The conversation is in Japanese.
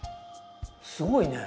すごいね。